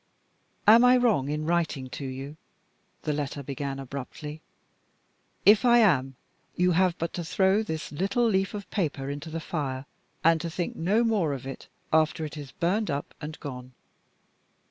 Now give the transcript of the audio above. "Am I wrong in writing to you?" (the letter began abruptly). "If I am, you have but to throw this little leaf of paper into the fire, and to think no more of it after it is burned up and gone.